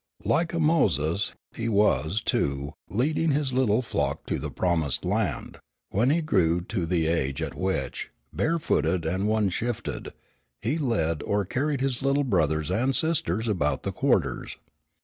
Like a Moses he was, too, leading his little flock to the promised land, when he grew to the age at which, barefooted and one shifted, he led or carried his little brothers and sisters about the quarters.